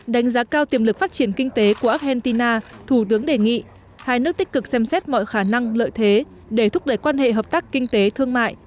đánh giá cao tiềm lực phát triển kinh tế của argentina thủ tướng đề nghị hai nước tích cực xem xét mọi khả năng lợi thế để thúc đẩy quan hệ hợp tác kinh tế thương mại